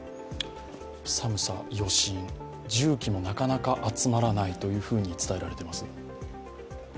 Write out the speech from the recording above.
寒さ、余震、重機もなかなか集まらないと伝えられてます。